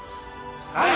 はい！